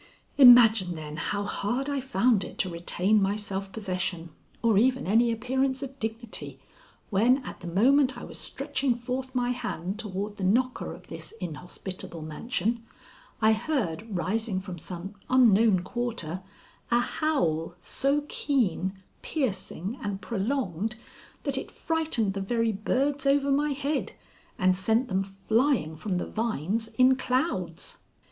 Imagine, then, how hard I found it to retain my self possession or even any appearance of dignity, when at the moment I was stretching forth my hand toward the knocker of this inhospitable mansion I heard rising from some unknown quarter a howl so keen, piercing, and prolonged that it frightened the very birds over my head and sent them flying from the vines in clouds.